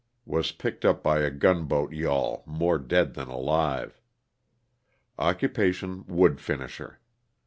Was picked up by a gunboat yawl, more dead than alive. Occupation, wood finisher.